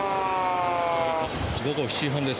午後７時半です。